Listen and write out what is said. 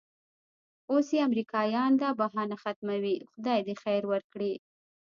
اوس چې امریکایان دا بهانه ختموي خدای دې خیر ورکړي.